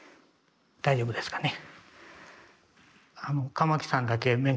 大丈夫ですかね。